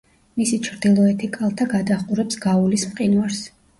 მისი ჩრდილოეთი კალთა გადაჰყურებს გაულის მყინვარს.